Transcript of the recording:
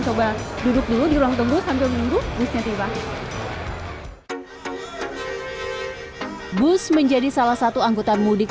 coba duduk dulu di ruang tunggu sambil menunggu busnya tiba bus menjadi salah satu anggota mudik